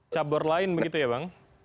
cabur lain begitu ya bang